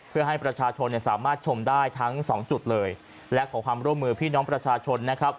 เพื่อให้ประชาชนเนี่ยสามารถชมได้ทั้งสองจุดเลยและขอความร่วมมือพี่น้องประชาชนนะครับ